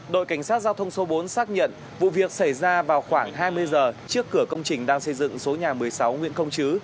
đội cảnh sát giao thông số bốn xác nhận vụ việc xảy ra vào khoảng hai mươi giờ trước cửa công trình đang xây dựng số nhà một mươi sáu nguyễn công chứ